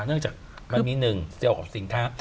เนื่องจากมันนิดนึงเซลล์ของสินค้า